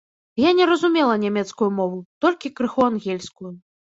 Я не разумела нямецкую мову, толькі крыху ангельскую.